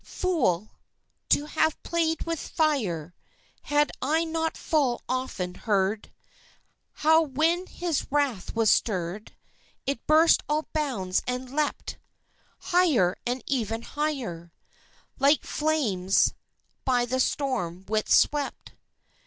Fool! to have played with fire Had I not full often heard How when his wrath was stirred It burst all bounds and leapt Higher and ever higher Like flames by the storm wind swept?